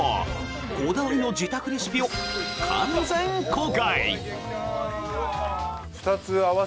こだわりの自宅レシピを完全公開！